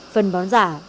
phân bón giả